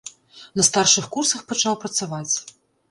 На старшых курсах пачаў працаваць.